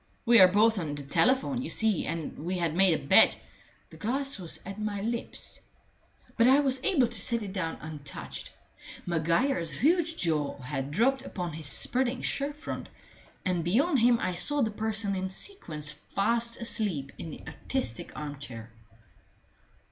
We are both on the telephone, you see. And we had made a bet " The glass was at my lips, but I was able to set it down untouched. Maguire's huge jaw had dropped upon his spreading shirt front, and beyond him I saw the person in sequins fast asleep in the artistic armchair.